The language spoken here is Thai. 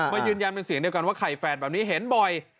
ยืนยันเป็นเสียงเดียวกันว่าไข่แฝดแบบนี้เห็นบ่อย